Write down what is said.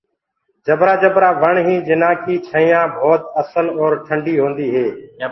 جبرآ جبرآ وڻ هينٚ جنآ ڪي ڇِيآنٚ ڀوت اسل اور ٽنڏي هوندي هي۔